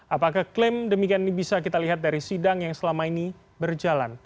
apakah klaim demikian ini bisa kita lihat dari sidang yang selama ini berjalan